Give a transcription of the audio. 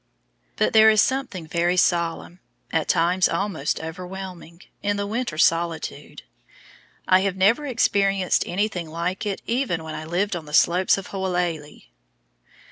But there is something very solemn, at times almost overwhelming, in the winter solitude. I have never experienced anything like it even when I lived on the slopes of Hualalai.